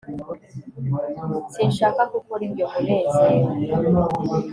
sinshaka ko ukora ibyo, munezero